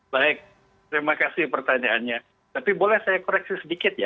baik terima kasih pertanyaannya tapi boleh saya koreksi sedikit ya